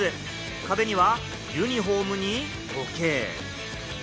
壁にはユニホームに時計。